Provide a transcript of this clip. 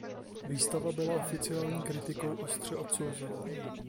Výstava byla oficiální kritikou ostře odsouzena.